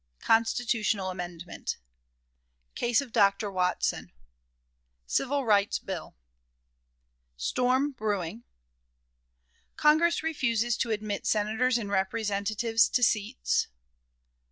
Constitutional Amendment. Case of Dr. Watson. Civil Rights Bill. Storm brewing. Congress refuses to admit Senators and Representatives to Seats.